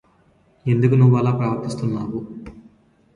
ఎందుకు నువ్వు అలా ప్రవర్తిస్తున్నావు?